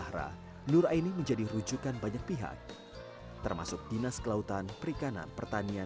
karena kalau saya mati siapa yang belanja